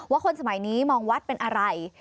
คนสมัยนี้มองวัดเป็นอะไร